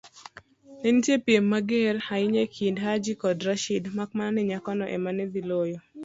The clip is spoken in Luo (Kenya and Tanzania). Nenitie piem mager ahinya ekind Haji kod Rashid, makmana ni nyakono ema nedhi loyo.